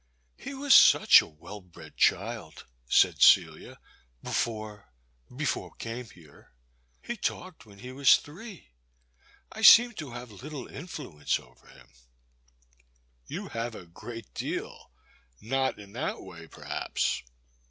*'He was such a well bred child, said Celia, before — ^before we came here. He talked when he was three. I seem to have little influence over him. You have a great deal — not in that way per haps.